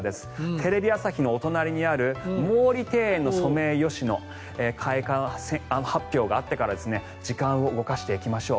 テレビ朝日の隣にある毛利庭園のソメイヨシノ開花発表があってから時間を動かしていきましょう。